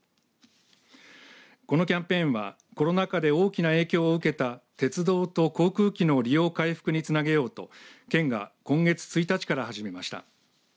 このキャンペーンはコロナ禍で大きな影響を受けた鉄道と航空機の利用回復につなげようと県が今月１日から始めました。